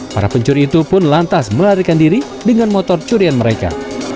para pencuri itu pun lantas melarikan diri dengan motor curian mereka